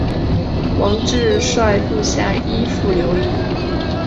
王质率部下依附留异。